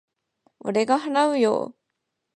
俺が払うよ。